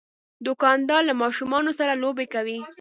دوکاندار له ماشومان سره لوبې کوي.